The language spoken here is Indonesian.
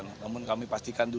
namun kami pastikan dulu